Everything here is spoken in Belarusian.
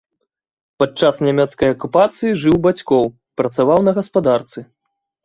Падчас нямецкай акупацыі жыў у бацькоў, працаваў на гаспадарцы.